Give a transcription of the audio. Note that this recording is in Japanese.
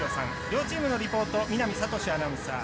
両チームのリポート見浪哲史アナウンサー。